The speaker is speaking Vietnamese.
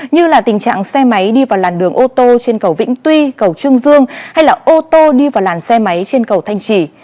như là tình trạng xe máy đi vào làn đường ô tô trên cầu vĩnh tuy cầu trương dương hay là ô tô đi vào làn xe máy trên cầu thanh trì